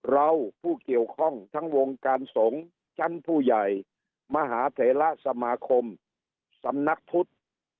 ผู้เกี่ยวข้องทั้งวงการสงฆ์ชั้นผู้ใหญ่มหาเถระสมาคมสำนักพุทธ